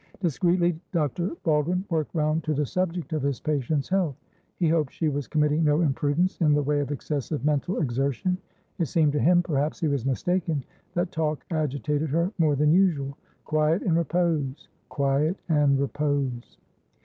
Discreetly, Dr. Baldwin worked round to the subject of his patient's health. He hoped she was committing no imprudence in the way of excessive mental exertion. It seemed to himperhaps he was mistakenthat talk agitated her more than usual. Quiet and reposequiet and repose.